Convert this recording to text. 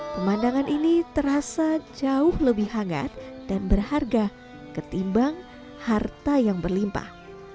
pemandangan ini terasa jauh lebih hangat dan berharga ketimbang harta yang berlimpah